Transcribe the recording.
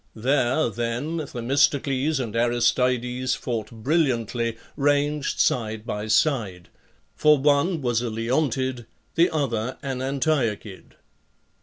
There, then, Themistocles and Aristides fought brilliantly, ranged side by side ; for one was a Leontid, the other an Antiochid.